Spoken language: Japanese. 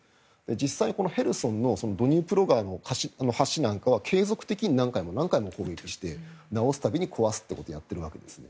実際にヘルソンのドニエプル川の橋なんかは継続的に何回も何回も攻撃して直す度に壊すということをやっているわけです。